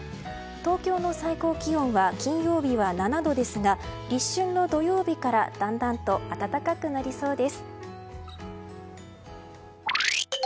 東京の最高気温は金曜日は７度ですが立春の土曜日からだんだんと暖かくなりそうです。